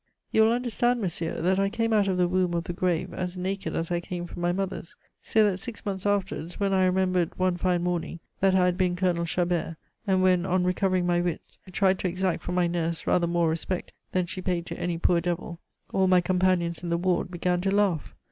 "You will understand, Monsieur, that I came out of the womb of the grave as naked as I came from my mother's; so that six months afterwards, when I remembered, one fine morning, that I had been Colonel Chabert, and when, on recovering my wits, I tried to exact from my nurse rather more respect than she paid to any poor devil, all my companions in the ward began to laugh.